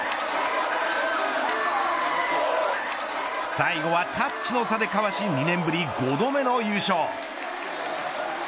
最後はタッチの差でかわし２年ぶり５度目の優勝。